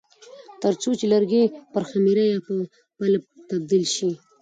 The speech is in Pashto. ترڅو چې لرګي پر خمیره یا پلپ تبدیل شي.